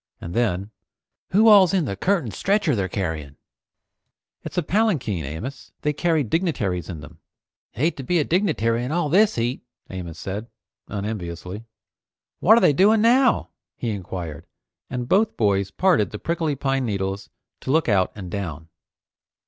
And then, "Who all's in the curtained stretcher they're carrying?" "It's a palanquin, Amos. They carry dignitaries in them." "Hate to be a dignitary in all this heat," Amos said, unenviously. "What are they doing now?" he enquired, and both boys parted the prickly pine needles to look out and down.